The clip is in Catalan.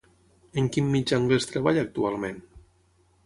En quin mitjà anglès treballa actualment?